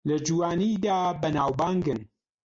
لە جوانیدا بەناوبانگن